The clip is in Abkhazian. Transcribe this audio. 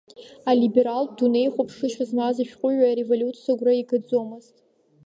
Алибералтә дунеихәаԥшышьа змаз ашәҟәыҩҩы ареволиуциа агәра игаӡомызт.